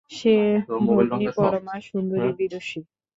সে ভগ্নী পরমা সুন্দরী বিদুষী।